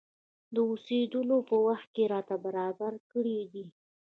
د اوسېدلو په وخت کې راته برابر کړي دي.